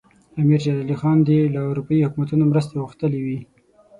امیر شېر علي خان دې له اروپایي حکومتونو مرستې غوښتلي وي.